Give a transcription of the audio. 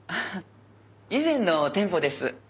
以前の店舗です。